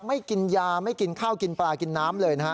ไม่กินยาไม่กินข้าวกินปลากินน้ำเลยนะฮะ